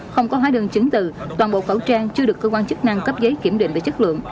không có hóa đơn chứng từ toàn bộ khẩu trang chưa được cơ quan chức năng cấp giấy kiểm định về chất lượng